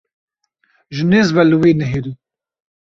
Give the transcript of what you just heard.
Ji nêz ve li wê nihêrî.